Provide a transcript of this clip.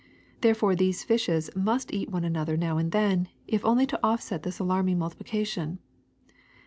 Therefore these fishes must eat one another now and then, if only to offset this alarming multiplication.